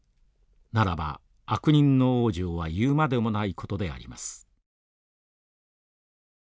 ならば悪人の往生は言うまでもないことであります」。